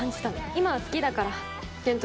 今は好きだから。